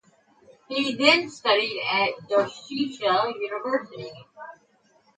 He then studied at Doshisha University.